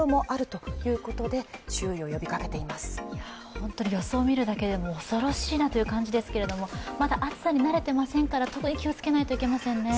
本当に予想見るだけでも恐ろしいなという感じですけど、まだ暑さに慣れてませんから、特に気をつけないといけませんね。